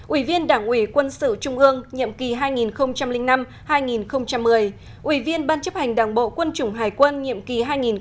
ủy viên đảng ủy quân sự trung ương nhiệm kỳ hai nghìn năm hai nghìn một mươi ủy viên ban chấp hành đảng bộ quân chủng hải quân nhiệm kỳ hai nghìn một mươi năm hai nghìn một mươi